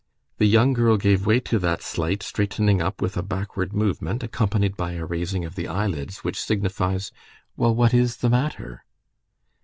The young girl gave way to that slight straightening up with a backward movement, accompanied by a raising of the eyelids, which signifies: "Well, what is the matter?"